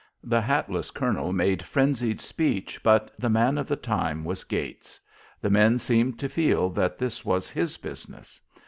The hatless colonel made frenzied speech, but the man of the time was Gates. The men seemed to feel that this was his business.